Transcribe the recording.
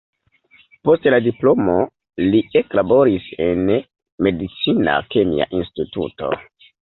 Post la diplomo li eklaboris en medicina-kemia instituto.